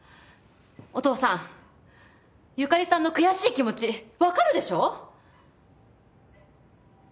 お父さん由加里さんの悔しい気持ちわかるでしょ！？